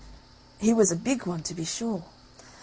He was a big one, to be sure.